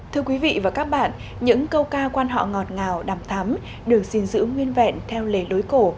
thưa quý vị và các bạn những câu ca quan họ ngọt ngào đầm thắm được gìn giữ nguyên vẹn theo lề lối cổ